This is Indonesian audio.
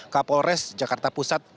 kapolres jakarta pusat